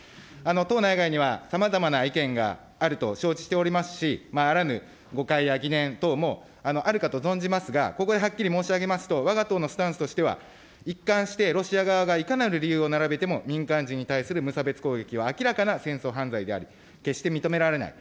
党内外にはさまざまな意見があると承知しておりますし、あらぬ誤解や疑念等もあるかと存じますが、ここではっきり申し上げますと、わが党のスタンスとしては、一貫してロシア側がいかなる理由を並べても、民間人に対する無差別攻撃は明らかな戦争犯罪であり、決して認められない。